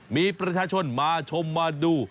มีประชาชนมาชมมาดู